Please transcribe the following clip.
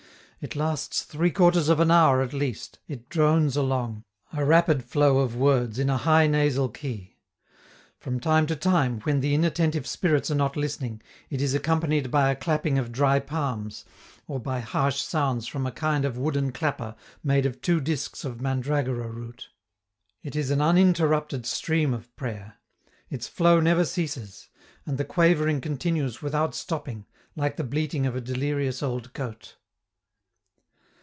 It lasts three quarters of an hour at least, it drones along, a rapid flow of words in a high nasal key; from time to time, when the inattentive spirits are not listening, it is accompanied by a clapping of dry palms, or by harsh sounds from a kind of wooden clapper made of two discs of mandragora root. It is an uninterrupted stream of prayer; its flow never ceases, and the quavering continues without stopping, like the bleating of a delirious old goat.